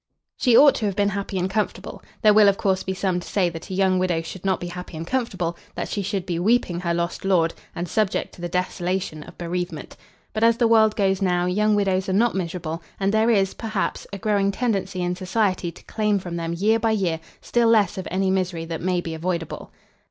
She ought to have been happy and comfortable. There will, of course, be some to say that a young widow should not be happy and comfortable, that she should be weeping her lost lord, and subject to the desolation of bereavement. But as the world goes now, young widows are not miserable; and there is, perhaps, a growing tendency in society to claim from them year by year still less of any misery that may be avoidable.